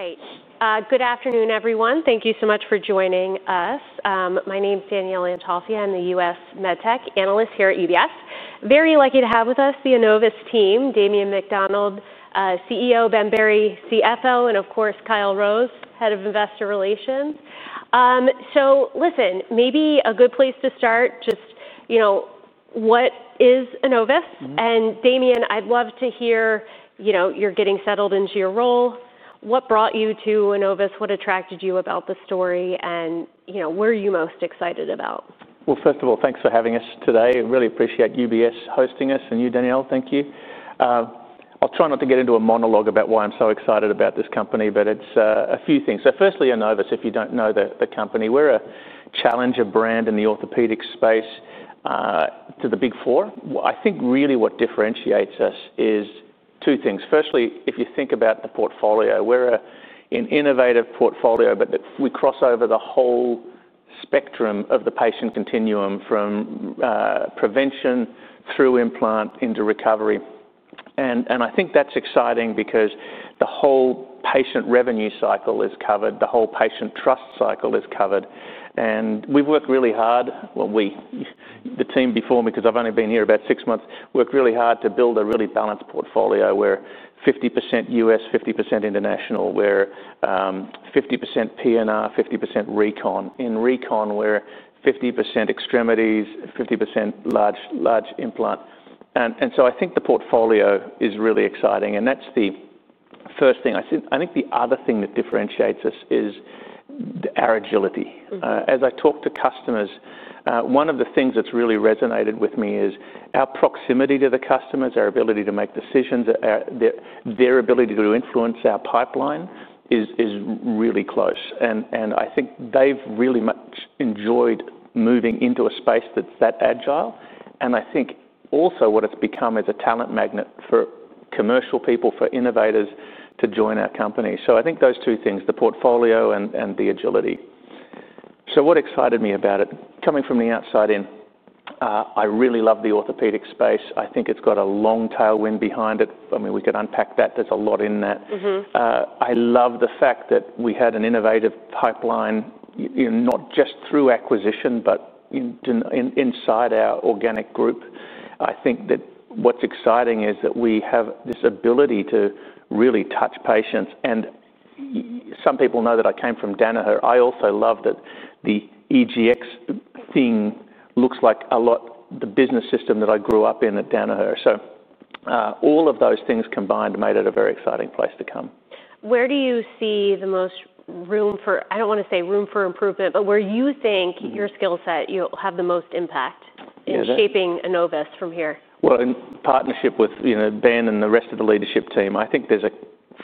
All right. Good afternoon, everyone. Thank you so much for joining us. My name's Danielle Antalffy. I'm the U.S. MedTech analyst here at UBS. Very lucky to have with us the Enovis team, Damien McDonald, CEO, Ben Berry, CFO, and of course, Kyle Rose, Head of Investor Relations. Maybe a good place to start, just what is Enovis? Damien, I'd love to hear you're getting settled into your role. What brought you to Enovis? What attracted you about the story? What are you most excited about? First of all, thanks for having us today. I really appreciate UBS hosting us. And you, Danielle, thank you. I'll try not to get into a monologue about why I'm so excited about this company, but it's a few things. Firstly, Enovis, if you don't know the company, we're a challenger brand in the orthopedic space to the Big Four. I think really what differentiates us is two things. Firstly, if you think about the portfolio, we're an innovative portfolio, but we cross over the whole spectrum of the patient continuum from prevention through implant into recovery. I think that's exciting because the whole patient revenue cycle is covered, the whole patient trust cycle is covered. We have worked really hard when we, the team before me, because I have only been here about six months, worked really hard to build a really balanced portfolio where 50% U.S., 50% international, where 50% PNR, 50% recon, and recon where 50% extremities, 50% large implant. I think the portfolio is really exciting. That is the first thing. I think the other thing that differentiates us is our agility. As I talk to customers, one of the things that has really resonated with me is our proximity to the customers, our ability to make decisions, their ability to influence our pipeline is really close. I think they have really much enjoyed moving into a space that is that agile. I think also what it has become is a talent magnet for commercial people, for innovators to join our company. I think those two things, the portfolio and the agility. What excited me about it? Coming from the outside in, I really love the orthopedic space. I think it's got a long tailwind behind it. I mean, we could unpack that. There's a lot in that. I love the fact that we had an innovative pipeline, not just through acquisition, but inside our organic group. I think that what's exciting is that we have this ability to really touch patients. Some people know that I came from Danaher. I also love that the EGX thing looks like a lot of the business system that I grew up in at Danaher. All of those things combined made it a very exciting place to come. Where do you see the most room for, I don't want to say room for improvement, but where you think your skill set will have the most impact in shaping Enovis from here? Partnership with Ben and the rest of the leadership team, I think there's a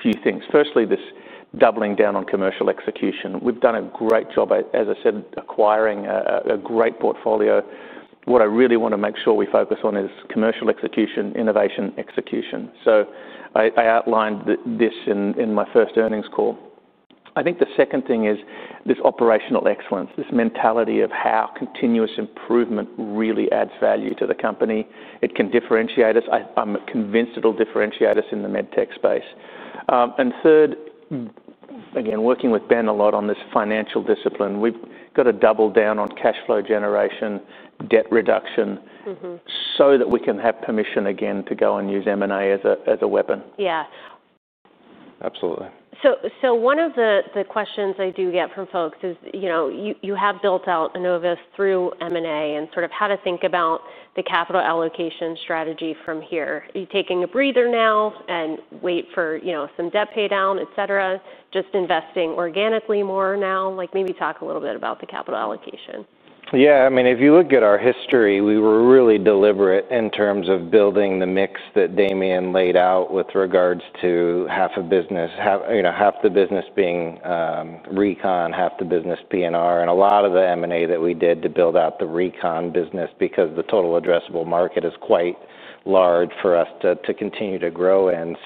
few things. Firstly, this doubling down on commercial execution. We've done a great job, as I said, acquiring a great portfolio. What I really want to make sure we focus on is commercial execution, innovation execution. I outlined this in my first earnings call. I think the second thing is this operational excellence, this mentality of how continuous improvement really adds value to the company. It can differentiate us. I'm convinced it'll differentiate us in the med tech space. Third, again, working with Ben a lot on this financial discipline, we've got to double down on cash flow generation, debt reduction so that we can have permission again to go and use M&A as a weapon. Yeah. Absolutely. One of the questions I do get from folks is you have built out Enovis through M&A and sort of how to think about the capital allocation strategy from here. Are you taking a breather now and wait for some debt pay down, et cetera, just investing organically more now? Maybe talk a little bit about the capital allocation. Yeah. I mean, if you look at our history, we were really deliberate in terms of building the mix that Damien laid out with regards to half the business being recon, half the business PNR, and a lot of the M&A that we did to build out the recon business because the total addressable market is quite large for us to continue to grow in.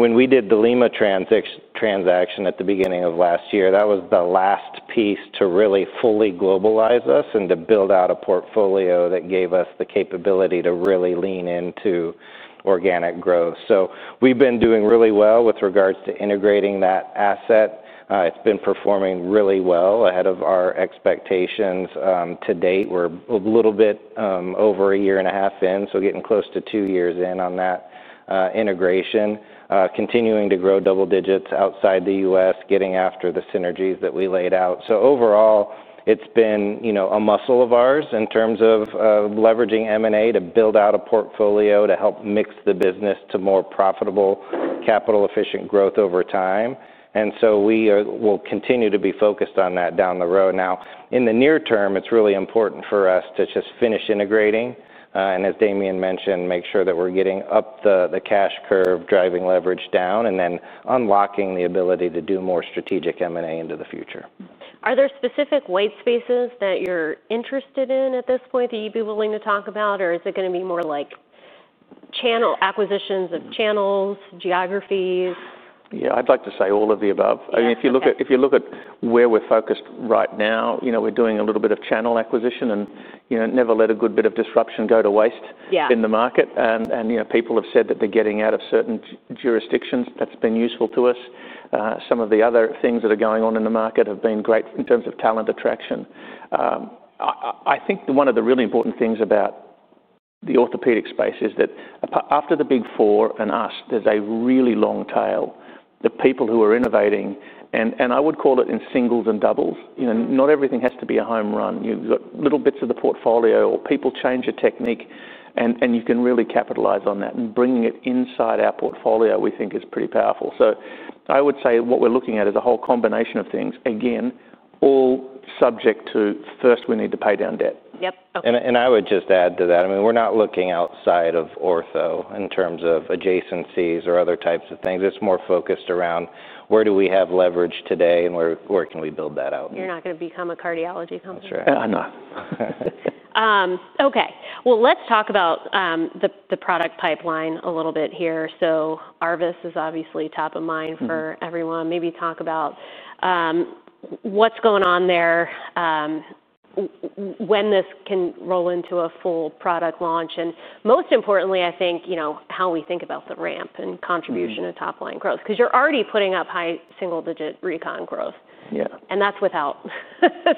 When we did the Lima transaction at the beginning of last year, that was the last piece to really fully globalize us and to build out a portfolio that gave us the capability to really lean into organic growth. We've been doing really well with regards to integrating that asset. It's been performing really well ahead of our expectations to date. We're a little bit over a year and a half in, so getting close to two years in on that integration, continuing to grow double digits outside the U.S., getting after the synergies that we laid out. Overall, it's been a muscle of ours in terms of leveraging M&A to build out a portfolio to help mix the business to more profitable, capital-efficient growth over time. We will continue to be focused on that down the road. In the near term, it's really important for us to just finish integrating and, as Damien mentioned, make sure that we're getting up the cash curve, driving leverage down, and then unlocking the ability to do more strategic M&A into the future. Are there specific white spaces that you're interested in at this point that you'd be willing to talk about, or is it going to be more like acquisitions of channels, geographies? Yeah, I'd like to say all of the above. I mean, if you look at where we're focused right now, we're doing a little bit of channel acquisition. Never let a good bit of disruption go to waste in the market. People have said that they're getting out of certain jurisdictions. That's been useful to us. Some of the other things that are going on in the market have been great in terms of talent attraction. I think one of the really important things about the orthopedic space is that after the Big Four and us, there's a really long tail. The people who are innovating, and I would call it in singles and doubles, not everything has to be a home run. You've got little bits of the portfolio or people change a technique, and you can really capitalize on that. Bringing it inside our portfolio, we think, is pretty powerful. I would say what we're looking at is a whole combination of things, again, all subject to first, we need to pay down debt. Yep.I would just add to that. I mean, we're not looking outside of ortho in terms of adjacencies or other types of things. It's more focused around where do we have leverage today and where can we build that out? You're not going to become a cardiology company? That's right. I'm not. Okay. Let's talk about the product pipeline a little bit here. Arvis is obviously top of mind for everyone. Maybe talk about what's going on there, when this can roll into a full product launch, and most importantly, I think, how we think about the ramp and contribution to top-line growth because you're already putting up high single-digit recon growth. That's without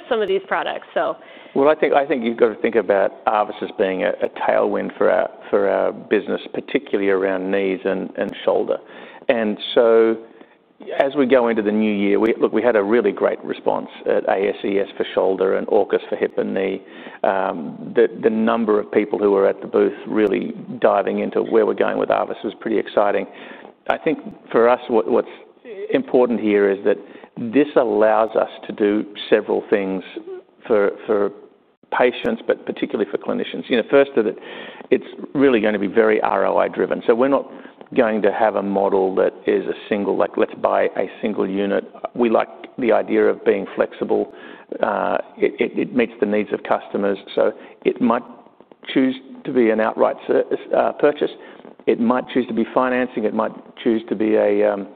some of these products, so. I think you've got to think about Arvis as being a tailwind for our business, particularly around knees and shoulder. As we go into the new year, look, we had a really great response at ASES for shoulder and Orcus for hip and knee. The number of people who were at the booth really diving into where we're going with Arvis was pretty exciting. I think for us, what's important here is that this allows us to do several things for patients, but particularly for clinicians. First, that it's really going to be very ROI-driven. We're not going to have a model that is a single, like, "Let's buy a single unit." We like the idea of being flexible. It meets the needs of customers. It might choose to be an outright purchase. It might choose to be financing. It might choose to be an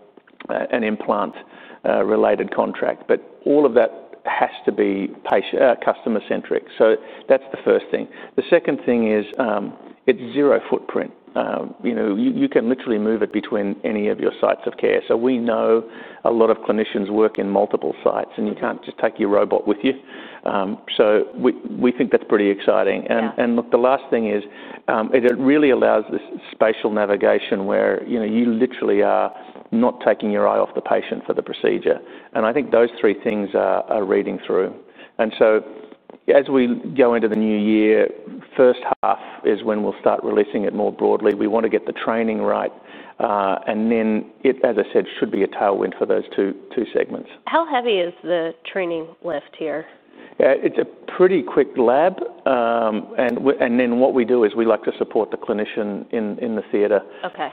implant-related contract. All of that has to be customer-centric. That is the first thing. The second thing is it is zero footprint. You can literally move it between any of your sites of care. We know a lot of clinicians work in multiple sites, and you cannot just take your robot with you. We think that is pretty exciting. The last thing is it really allows this spatial navigation where you literally are not taking your eye off the patient for the procedure. I think those three things are reading through. As we go into the new year, first half is when we will start releasing it more broadly. We want to get the training right. It, as I said, should be a tailwind for those two segments. How heavy is the training lift here? It's a pretty quick lab. What we do is we like to support the clinician in the theater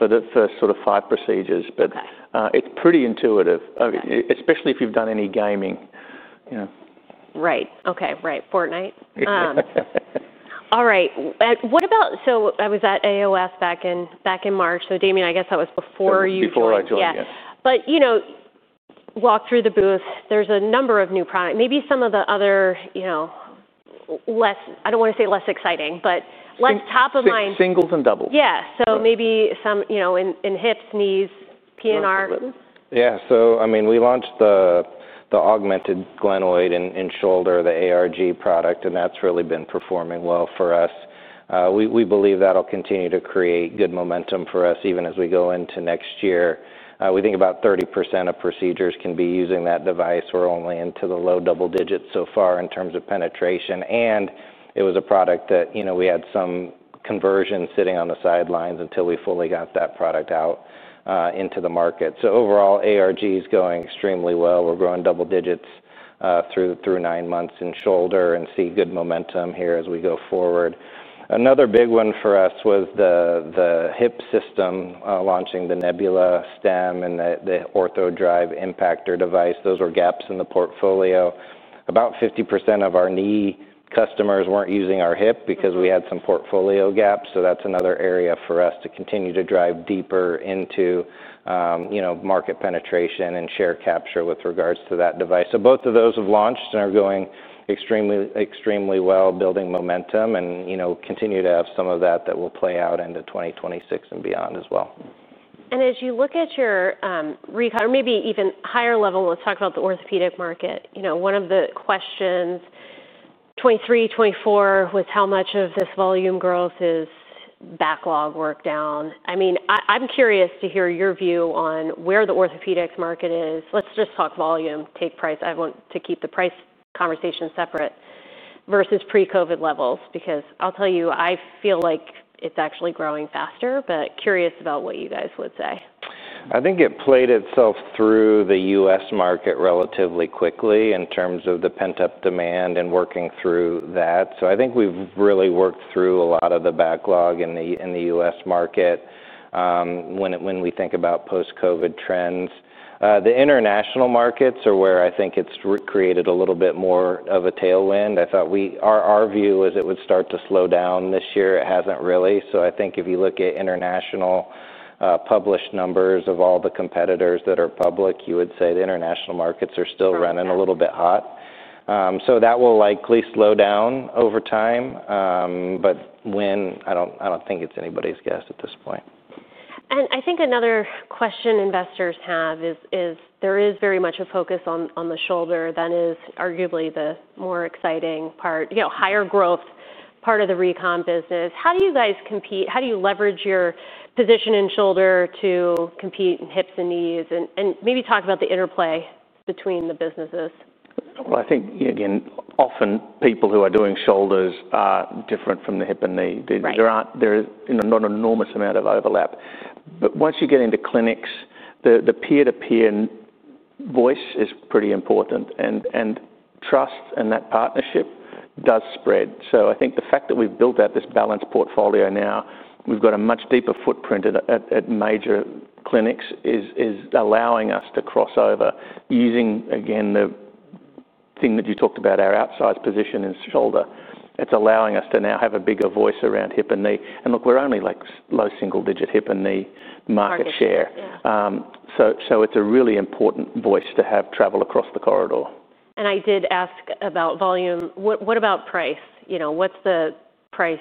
for the first sort of five procedures. It's pretty intuitive, especially if you've done any gaming. Right. Okay. Right. Fortnite. All right. So I was at AOS back in March. So Damien, I guess that was before you joined. Before I joined, yeah. Walk through the booth. There's a number of new products. Maybe some of the other less, I don't want to say less exciting, but less top of mind. Singles and doubles. Yeah. Maybe some in hips, knees, PNR. Yeah. So I mean, we launched the augmented glenoid and shoulder, the ARG product, and that's really been performing well for us. We believe that'll continue to create good momentum for us even as we go into next year. We think about 30% of procedures can be using that device. We're only into the low double digits so far in terms of penetration. It was a product that we had some conversion sitting on the sidelines until we fully got that product out into the market. Overall, ARG is going extremely well. We're growing double digits through nine months in shoulder and see good momentum here as we go forward. Another big one for us was the hip system, launching the Nebula stem and the OrthoDrive impactor device. Those were gaps in the portfolio. About 50% of our knee customers weren't using our hip because we had some portfolio gaps. That is another area for us to continue to drive deeper into market penetration and share capture with regards to that device. Both of those have launched and are going extremely well, building momentum and continue to have some of that that will play out into 2026 and beyond as well. As you look at your recon or maybe even higher level, let's talk about the orthopedic market. One of the questions 2023, 2024 was how much of this volume growth is backlog work down. I mean, I'm curious to hear your view on where the orthopedics market is. Let's just talk volume, take price. I want to keep the price conversation separate versus pre-COVID levels because I'll tell you, I feel like it's actually growing faster, but curious about what you guys would say. I think it played itself through the U.S. market relatively quickly in terms of the pent-up demand and working through that. I think we've really worked through a lot of the backlog in the U.S. market when we think about post-COVID trends. The international markets are where I think it's created a little bit more of a tailwind. I thought our view was it would start to slow down this year. It hasn't really. If you look at international published numbers of all the competitors that are public, you would say the international markets are still running a little bit hot. That will likely slow down over time. When? I don't think it's anybody's guess at this point. I think another question investors have is there is very much a focus on the shoulder that is arguably the more exciting part, higher growth part of the recon business. How do you guys compete? How do you leverage your position in shoulder to compete in hips and knees and maybe talk about the interplay between the businesses? I think, again, often people who are doing shoulders are different from the hip and knee. There's not an enormous amount of overlap. Once you get into clinics, the peer-to-peer voice is pretty important. Trust in that partnership does spread. I think the fact that we've built out this balanced portfolio now, we've got a much deeper footprint at major clinics, is allowing us to cross over using, again, the thing that you talked about, our outsized position in shoulder. It's allowing us to now have a bigger voice around hip and knee. Look, we're only like low single-digit hip and knee market share. It's a really important voice to have travel across the corridor. I did ask about volume. What about price? What's the price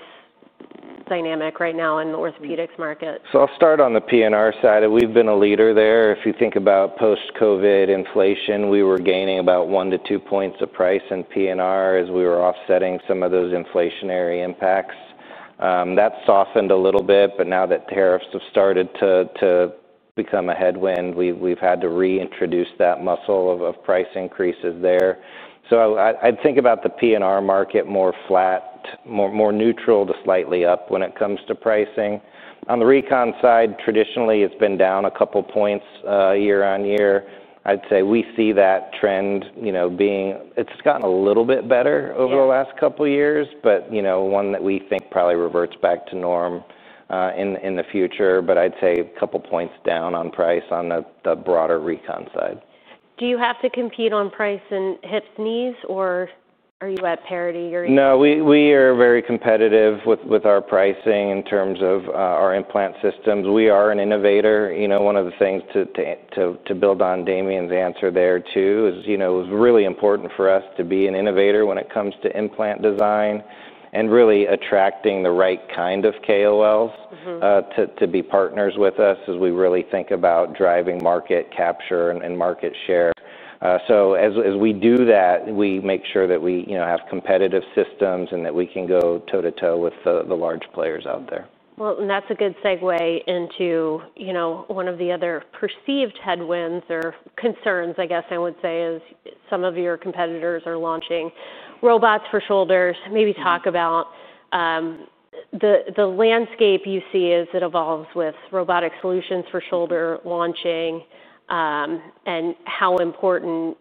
dynamic right now in the orthopedics market? I'll start on the PNR side. We've been a leader there. If you think about post-COVID inflation, we were gaining about one to two points of price in PNR as we were offsetting some of those inflationary impacts. That's softened a little bit, but now that tariffs have started to become a headwind, we've had to reintroduce that muscle of price increases there. I'd think about the PNR market more flat, more neutral to slightly up when it comes to pricing. On the recon side, traditionally, it's been down a couple of points year on year. I'd say we see that trend being it's gotten a little bit better over the last couple of years, but one that we think probably reverts back to norm in the future. I'd say a couple of points down on price on the broader recon side. Do you have to compete on price in hips, knees, or are you at parity? No. We are very competitive with our pricing in terms of our implant systems. We are an innovator. One of the things to build on Damien's answer there too is it was really important for us to be an innovator when it comes to implant design and really attracting the right kind of KOLs to be partners with us as we really think about driving market capture and market share. As we do that, we make sure that we have competitive systems and that we can go toe-to-toe with the large players out there. That's a good segue into one of the other perceived headwinds or concerns, I guess I would say, as some of your competitors are launching robots for shoulders. Maybe talk about the landscape you see as it evolves with robotic solutions for shoulder launching and how important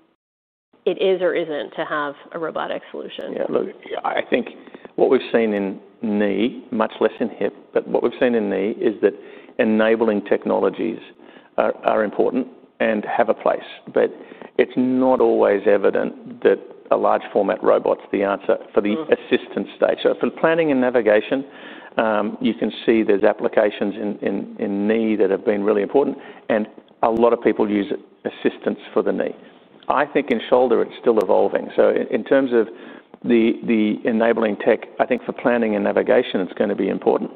it is or isn't to have a robotic solution. Yeah. Look, I think what we've seen in knee, much less in hip, but what we've seen in knee is that enabling technologies are important and have a place. It is not always evident that large-format robots are the answer for the assistance stage. For planning and navigation, you can see there are applications in knee that have been really important. A lot of people use assistance for the knee. I think in shoulder, it is still evolving. In terms of the enabling tech, I think for planning and navigation, it is going to be important.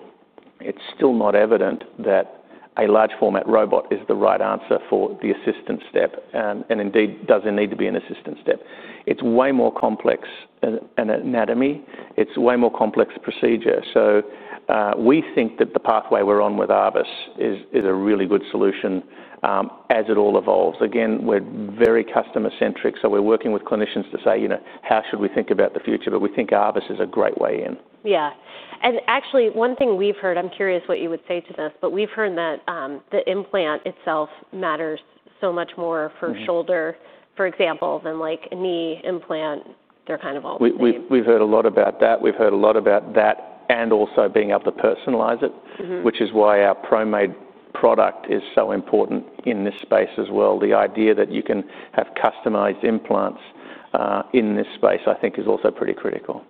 It is still not evident that a large-format robot is the right answer for the assistance step and indeed does not need to be an assistance step. It is way more complex anatomy. It is way more complex procedure. We think that the pathway we are on with Arvis is a really good solution as it all evolves. Again, we're very customer-centric. So we're working with clinicians to say, "How should we think about the future?" But we think Arvis is a great way in. Yeah. Actually, one thing we've heard, I'm curious what you would say to this, but we've heard that the implant itself matters so much more for shoulder, for example, than a knee implant. They're kind of all the same. We've heard a lot about that. We've heard a lot about that and also being able to personalize it, which is why our ProMade product is so important in this space as well. The idea that you can have customized implants in this space, I think, is also pretty critical.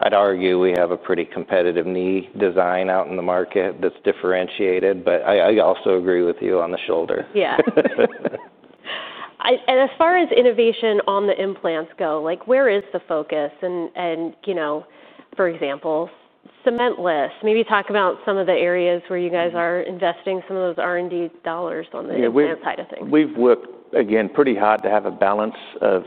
I'd argue we have a pretty competitive knee design out in the market that's differentiated. I also agree with you on the shoulder. Yeah. As far as innovation on the implants go, where is the focus? For example, cementless, maybe talk about some of the areas where you guys are investing some of those R&D dollars on the implant side of things. We've worked, again, pretty hard to have a balance of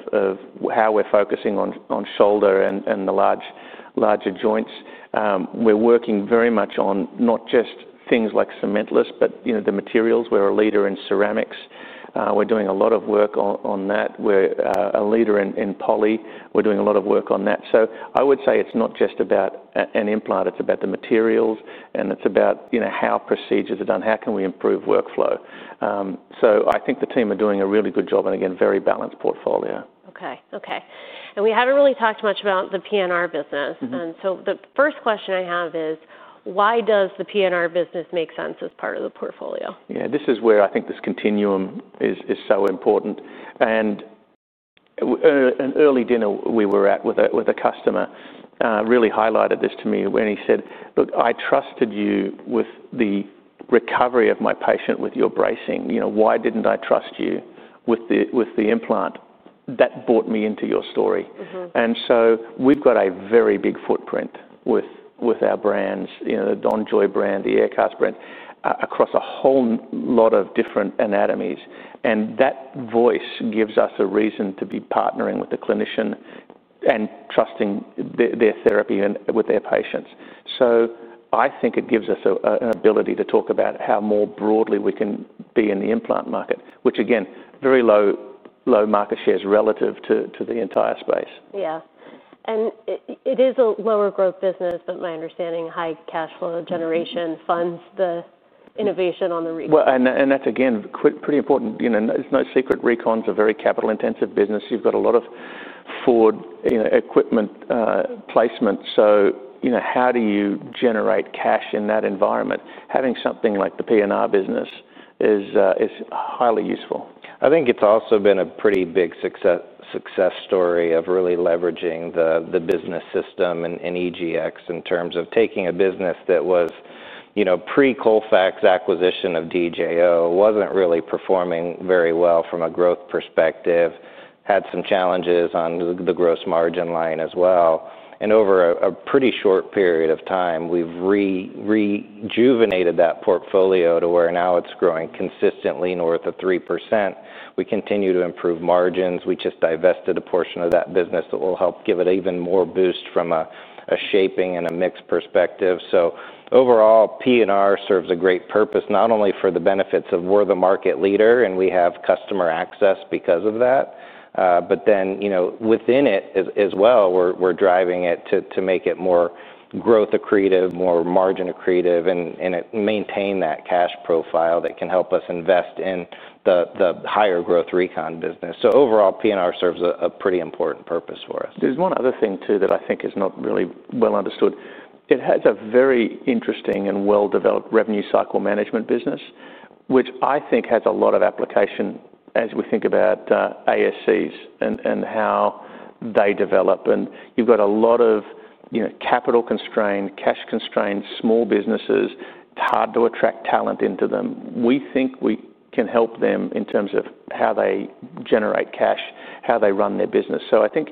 how we're focusing on shoulder and the larger joints. We're working very much on not just things like cementless, but the materials. We're a leader in ceramics. We're doing a lot of work on that. We're a leader in poly. We're doing a lot of work on that. I would say it's not just about an implant. It's about the materials. It's about how procedures are done. How can we improve workflow? I think the team are doing a really good job and, again, very balanced portfolio. Okay. Okay. We have not really talked much about the PNR business. The first question I have is, why does the PNR business make sense as part of the portfolio? Yeah. This is where I think this continuum is so important. An early dinner we were at with a customer really highlighted this to me when he said, "Look, I trusted you with the recovery of my patient with your bracing. Why didn't I trust you with the implant?" That brought me into your story. We have a very big footprint with our brands, the DonJoy brand, the Aircast brand, across a whole lot of different anatomies. That voice gives us a reason to be partnering with the clinician and trusting their therapy with their patients. I think it gives us an ability to talk about how more broadly we can be in the implant market, which, again, very low market shares relative to the entire space. Yeah. It is a lower-growth business. My understanding, high cash flow generation funds the innovation on the recon. That is, again, pretty important. It's no secret. Recons are a very capital-intensive business. You've got a lot of forward equipment placement. So how do you generate cash in that environment? Having something like the PNR business is highly useful. I think it's also been a pretty big success story of really leveraging the business system and EGX in terms of taking a business that was pre-Colfax acquisition of DJO, wasn't really performing very well from a growth perspective, had some challenges on the gross margin line as well. Over a pretty short period of time, we've rejuvenated that portfolio to where now it's growing consistently north of 3%. We continue to improve margins. We just divested a portion of that business that will help give it even more boost from a shaping and a mixed perspective. Overall, PNR serves a great purpose, not only for the benefits of we're the market leader and we have customer access because of that, but then within it as well, we're driving it to make it more growth accretive, more margin accretive, and maintain that cash profile that can help us invest in the higher-growth recon business. Overall, PNR serves a pretty important purpose for us. There's one other thing too that I think is not really well understood. It has a very interesting and well-developed revenue cycle management business, which I think has a lot of application as we think about ASCs and how they develop. You've got a lot of capital-constrained, cash-constrained small businesses. It's hard to attract talent into them. We think we can help them in terms of how they generate cash, how they run their business. I think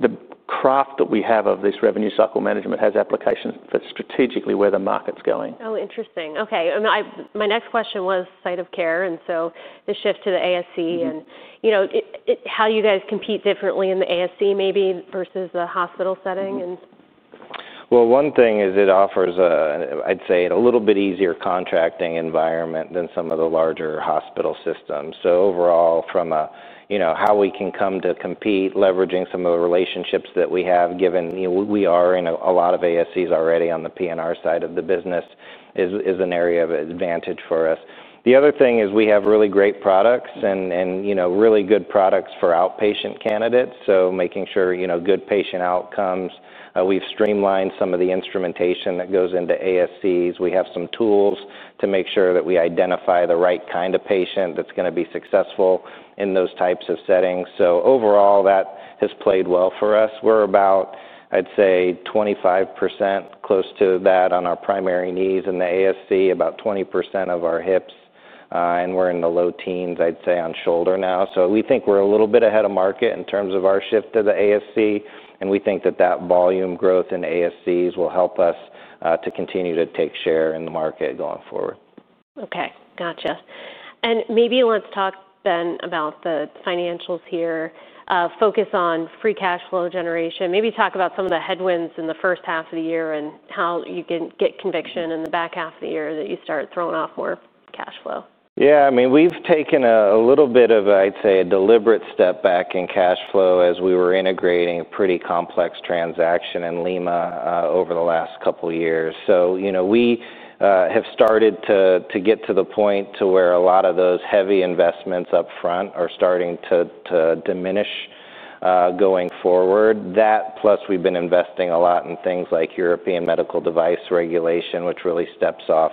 the craft that we have of this revenue cycle management has applications for strategically where the market's going. Oh, interesting. Okay. My next question was site of care. The shift to the ASC and how you guys compete differently in the ASC maybe versus the hospital setting. One thing is it offers, I'd say, a little bit easier contracting environment than some of the larger hospital systems. Overall, from how we can come to compete, leveraging some of the relationships that we have, given we are in a lot of ASCs already on the PNR side of the business, is an area of advantage for us. The other thing is we have really great products and really good products for outpatient candidates. Making sure good patient outcomes. We've streamlined some of the instrumentation that goes into ASCs. We have some tools to make sure that we identify the right kind of patient that's going to be successful in those types of settings. Overall, that has played well for us. We're about, I'd say, 25% close to that on our primary knees in the ASC, about 20% of our hips. We're in the low teens, I'd say, on shoulder now. We think we're a little bit ahead of market in terms of our shift to the ASC. We think that that volume growth in ASCs will help us to continue to take share in the market going forward. Okay. Gotcha. Maybe let's talk then about the financials here. Focus on free cash flow generation. Maybe talk about some of the headwinds in the first half of the year and how you can get conviction in the back half of the year that you start throwing off more cash flow. Yeah. I mean, we've taken a little bit of, I'd say, a deliberate step back in cash flow as we were integrating a pretty complex transaction in Lima over the last couple of years. We have started to get to the point to where a lot of those heavy investments upfront are starting to diminish going forward. That plus we've been investing a lot in things like European medical device regulation, which really steps off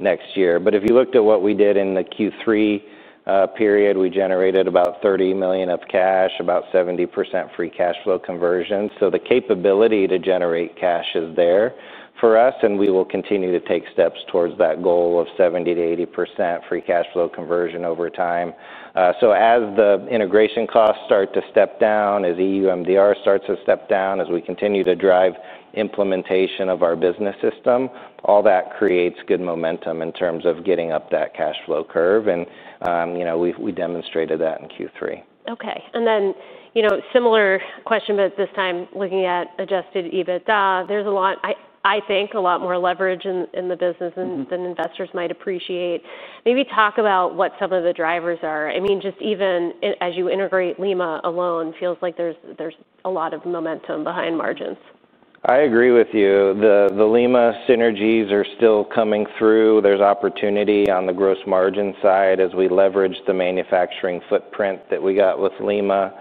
next year. If you looked at what we did in the Q3 period, we generated about $30 million of cash, about 70% free cash flow conversion. The capability to generate cash is there for us. We will continue to take steps towards that goal of 70%-80% free cash flow conversion over time. As the integration costs start to step down, as EU MDR starts to step down, as we continue to drive implementation of our business system, all that creates good momentum in terms of getting up that cash flow curve. We demonstrated that in Q3. Okay. And then similar question, but this time looking at adjusted EBITDA, there's a lot, I think, a lot more leverage in the business than investors might appreciate. Maybe talk about what some of the drivers are. I mean, just even as you integrate Lima alone, it feels like there's a lot of momentum behind margins. I agree with you. The Lima synergies are still coming through. There's opportunity on the gross margin side as we leverage the manufacturing footprint that we got with Lima,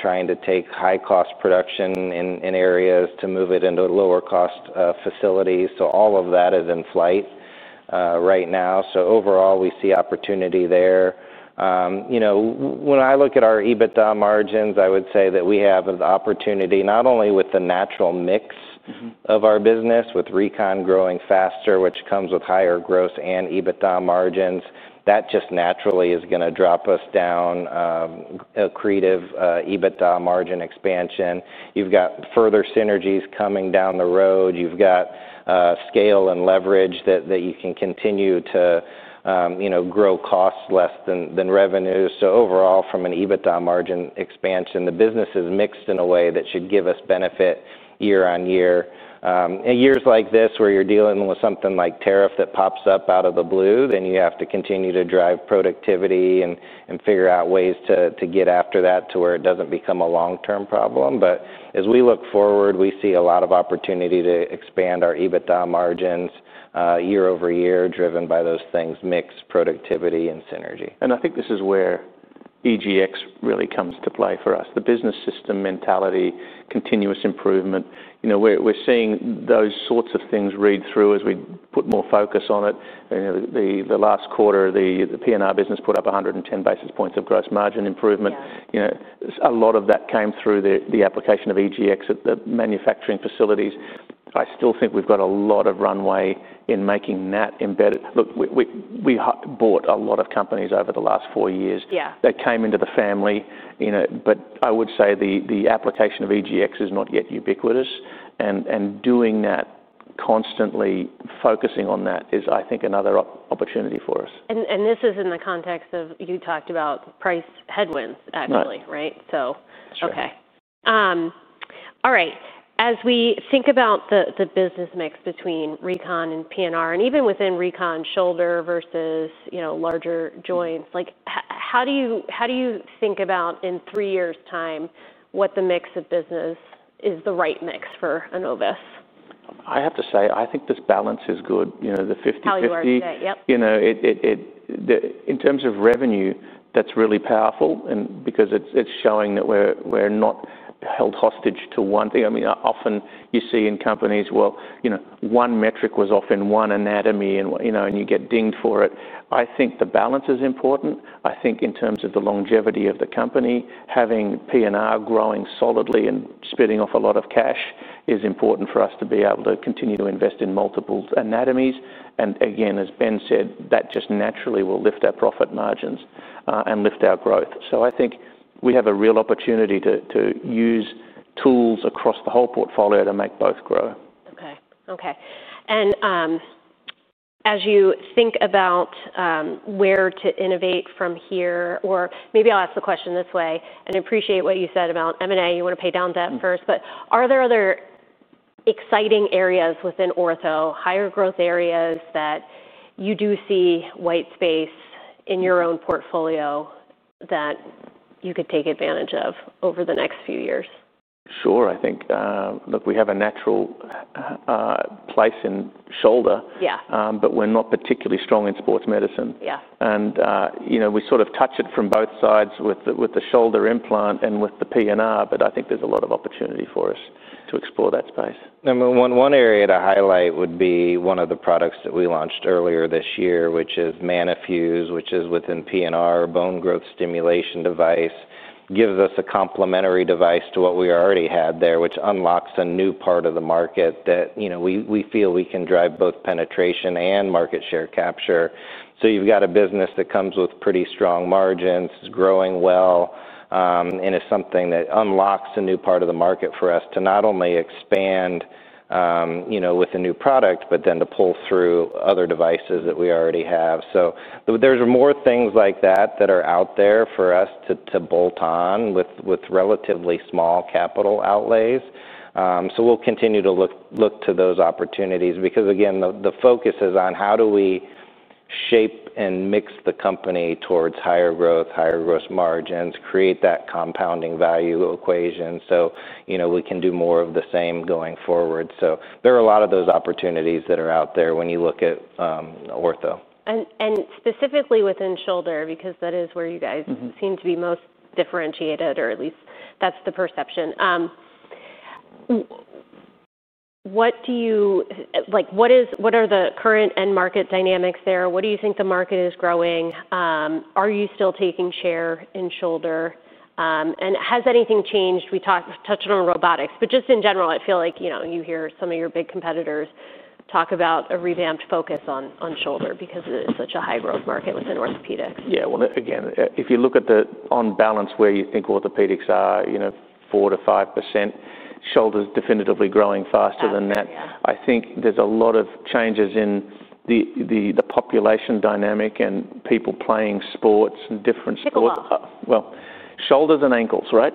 trying to take high-cost production in areas to move it into lower-cost facilities. All of that is in flight right now. Overall, we see opportunity there. When I look at our EBITDA margins, I would say that we have the opportunity not only with the natural mix of our business, with recon growing faster, which comes with higher gross and EBITDA margins. That just naturally is going to drop us down accretive EBITDA margin expansion. You have further synergies coming down the road. You have scale and leverage that you can continue to grow costs less than revenue. Overall, from an EBITDA margin expansion, the business is mixed in a way that should give us benefit year on year. In years like this where you're dealing with something like tariff that pops up out of the blue, you have to continue to drive productivity and figure out ways to get after that to where it does not become a long-term problem. As we look forward, we see a lot of opportunity to expand our EBITDA margins year over year, driven by those things, mixed productivity and synergy. I think this is where EGX really comes to play for us. The business system mentality, continuous improvement. We're seeing those sorts of things read through as we put more focus on it. The last quarter, the PNR business put up 110 basis points of gross margin improvement. A lot of that came through the application of EGX at the manufacturing facilities. I still think we've got a lot of runway in making that embedded. Look, we bought a lot of companies over the last four years. They came into the family. I would say the application of EGX is not yet ubiquitous. Doing that, constantly focusing on that is, I think, another opportunity for us. This is in the context of you talked about price headwinds, actually, right? That's right. Okay. All right. As we think about the business mix between recon and PNR, and even within recon shoulder versus larger joints, how do you think about in three years' time what the mix of business is the right mix for Enovis? I have to say, I think this balance is good. The 50/50. Poly work, right? Yep. In terms of revenue, that's really powerful because it's showing that we're not held hostage to one thing. I mean, often you see in companies, well, one metric was often one anatomy, and you get dinged for it. I think the balance is important. I think in terms of the longevity of the company, having PNR growing solidly and spitting off a lot of cash is important for us to be able to continue to invest in multiple anatomies. Again, as Ben said, that just naturally will lift our profit margins and lift our growth. I think we have a real opportunity to use tools across the whole portfolio to make both grow. Okay. Okay. As you think about where to innovate from here, or maybe I'll ask the question this way. I appreciate what you said about M&A. You want to pay down debt first. Are there other exciting areas within Ortho? Higher growth areas that you do see white space in your own portfolio that you could take advantage of over the next few years? Sure. I think, look, we have a natural place in shoulder, but we're not particularly strong in sports medicine. We sort of touch it from both sides with the shoulder implant and with the PNR, but I think there's a lot of opportunity for us to explore that space. I mean, one area to highlight would be one of the products that we launched earlier this year, which is Manifuse, which is within PNR, a bone growth stimulation device. It gives us a complementary device to what we already had there, which unlocks a new part of the market that we feel we can drive both penetration and market share capture. You have a business that comes with pretty strong margins, growing well. It is something that unlocks a new part of the market for us to not only expand with a new product, but then to pull through other devices that we already have. There are more things like that that are out there for us to bolt on with relatively small capital outlays. We'll continue to look to those opportunities because, again, the focus is on how do we shape and mix the company towards higher growth, higher gross margins, create that compounding value equation so we can do more of the same going forward. There are a lot of those opportunities that are out there when you look at ortho. Specifically within shoulder, because that is where you guys seem to be most differentiated, or at least that is the perception. What are the current end market dynamics there? What do you think the market is growing? Are you still taking share in shoulder? Has anything changed? We touched on robotics, but just in general, I feel like you hear some of your big competitors talk about a revamped focus on shoulder because it is such a high-growth market within orthopedics. Yeah. Again, if you look at the on-balance where you think orthopedics are 4%-5%, shoulder's definitively growing faster than that. I think there's a lot of changes in the population dynamic and people playing sports and different sports. People. Shoulders and ankles, right?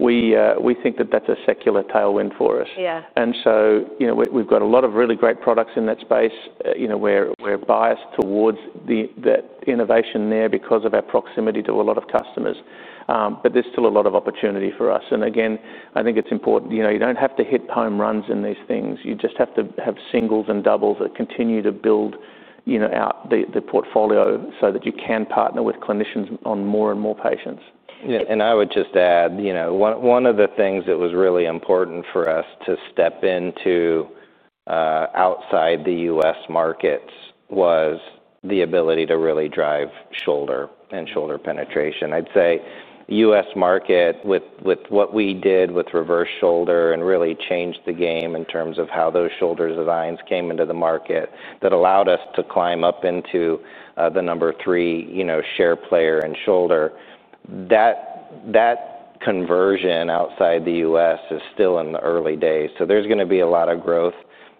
We think that that's a secular tailwind for us. We have a lot of really great products in that space. We're biased towards that innovation there because of our proximity to a lot of customers. There is still a lot of opportunity for us. Again, I think it's important. You don't have to hit home runs in these things. You just have to have singles and doubles that continue to build out the portfolio so that you can partner with clinicians on more and more patients. I would just add, one of the things that was really important for us to step into outside the U.S. markets was the ability to really drive shoulder and shoulder penetration. I'd say U.S. market, with what we did with reverse shoulder and really changed the game in terms of how those shoulders of Irons came into the market, that allowed us to climb up into the number three share player in shoulder. That conversion outside the U.S. is still in the early days. There is going to be a lot of growth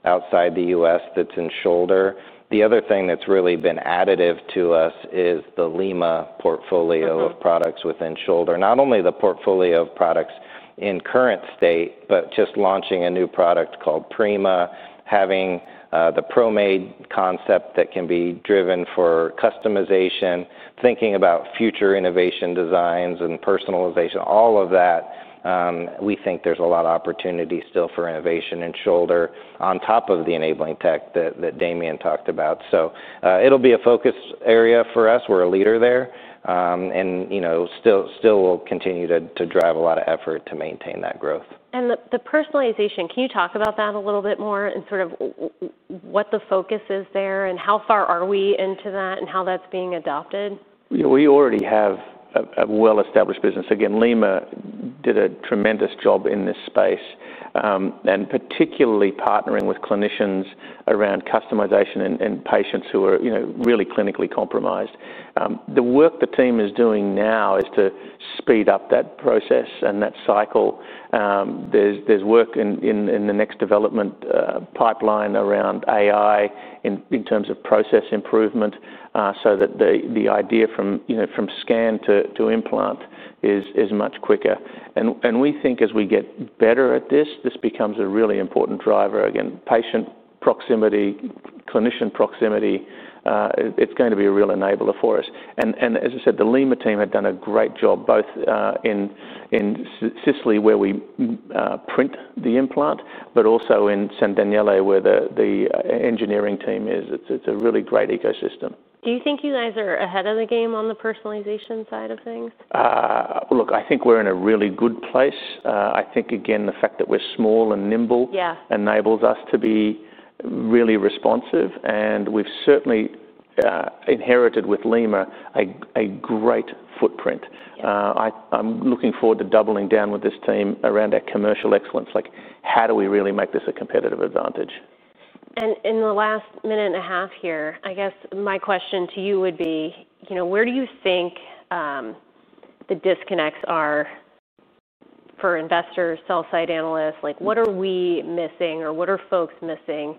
outside the U.S. that's in shoulder. The other thing that's really been additive to us is the Lima portfolio of products within shoulder. Not only the portfolio of products in current state, but just launching a new product called Prima, having the ProMade concept that can be driven for customization, thinking about future innovation designs and personalization, all of that. We think there's a lot of opportunity still for innovation in shoulder on top of the enabling tech that Damien talked about. It will be a focus area for us. We're a leader there. Still, we'll continue to drive a lot of effort to maintain that growth. The personalization, can you talk about that a little bit more and sort of what the focus is there and how far are we into that and how that's being adopted? We already have a well-established business. Again, Lima did a tremendous job in this space and particularly partnering with clinicians around customization and patients who are really clinically compromised. The work the team is doing now is to speed up that process and that cycle. There is work in the next development pipeline around AI in terms of process improvement so that the idea from scan to implant is much quicker. We think as we get better at this, this becomes a really important driver. Again, patient proximity, clinician proximity, it is going to be a real enabler for us. As I said, the Lima team had done a great job both in Sicily where we print the implant, but also in San Daniele where the engineering team is. It is a really great ecosystem. Do you think you guys are ahead of the game on the personalization side of things? Look, I think we're in a really good place. I think, again, the fact that we're small and nimble enables us to be really responsive. We've certainly inherited with Lima a great footprint. I'm looking forward to doubling down with this team around our commercial excellence. How do we really make this a competitive advantage? In the last minute and a half here, I guess my question to you would be, where do you think the disconnects are for investors, sell-side analysts? What are we missing or what are folks missing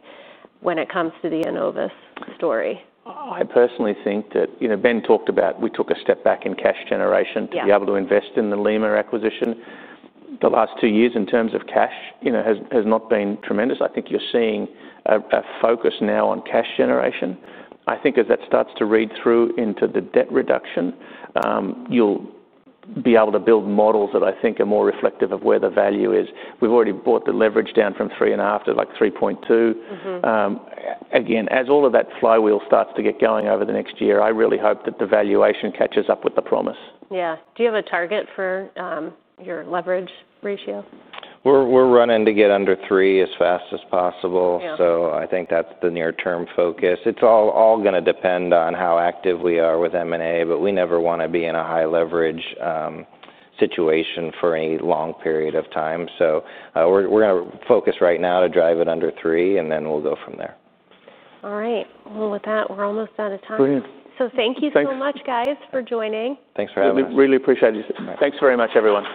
when it comes to the Enovis story? I personally think that Ben talked about we took a step back in cash generation to be able to invest in the Lima acquisition. The last two years in terms of cash has not been tremendous. I think you're seeing a focus now on cash generation. I think as that starts to read through into the debt reduction, you'll be able to build models that I think are more reflective of where the value is. We've already brought the leverage down from 3.5 to 3.2. Again, as all of that flywheel starts to get going over the next year, I really hope that the valuation catches up with the promise. Yeah. Do you have a target for your leverage ratio? We're running to get under three as fast as possible. I think that's the near-term focus. It's all going to depend on how active we are with M&A, but we never want to be in a high leverage situation for any long period of time. We're going to focus right now to drive it under three, and then we'll go from there. All right. With that, we're almost out of time. Thank you so much, guys, for joining. Thanks for having us. Really appreciate it. Thanks very much, everyone.